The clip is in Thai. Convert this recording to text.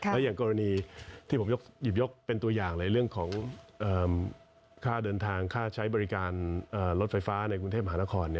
และอย่างกรณีที่ผมหยิบยกเป็นตัวอย่างในเรื่องของค่าเดินทางค่าใช้บริการรถไฟฟ้าในกรุงเทพมหานคร